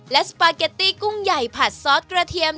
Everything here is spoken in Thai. และสปาเกตตี้กุ้งใหญ่ผัดซอสกระเทียม